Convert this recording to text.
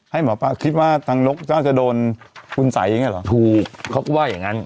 ให้หมอป่าคิดว่านกน่าจะโดนขุนสายเองหรอถูกเขาก็ว่าอย่างนั้น